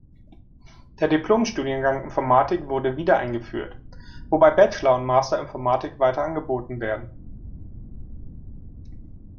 Der Diplomstudiengang Informatik wurde wiedereingeführt, wobei Bachelor und Master Informatik weiter angeboten werden.